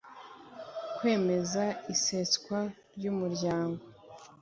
Kwemeza iseswa ry umuryango